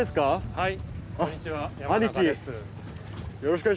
はい。